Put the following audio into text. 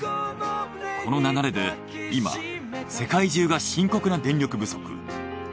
この流れで今世界中が深刻な電力不足。